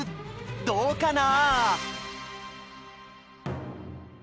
どうかな？